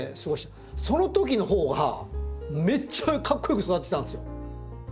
そのときのほうがめっちゃかっこよく育ってたんですよ。